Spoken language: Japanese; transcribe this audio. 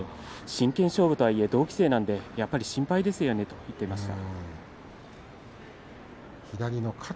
真剣勝負とはいえ同期生なんでやっぱり心配ですよねというふうに話していました。